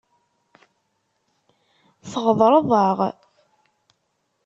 Tɣeḍreḍ-aɣ.